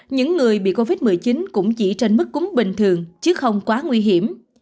những người bị covid một mươi chín cũng chỉ trên mức cúng bình thường chứ không quá nguy hiểm